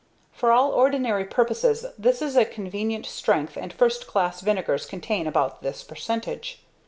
For all ordinary purposes this is a convenient strength and first class vinegars contain about this percentage.